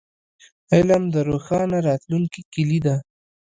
علم د روښانه راتلونکي کیلي ده.